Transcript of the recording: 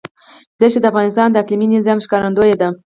دښتې د افغانستان د اقلیمي نظام ښکارندوی ده.